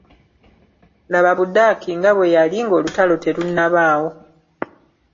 Laba Budaki nga bwe yali ng'olutalo terunnabaawo.